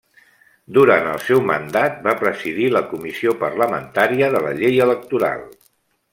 Durant el seu mandat va presidir la comissió parlamentària de la llei electoral.